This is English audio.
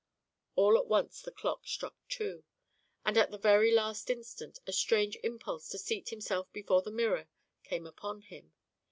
All at once the clock struck two, and at the very last instant a strange impulse to seat himself before the mirror came upon him.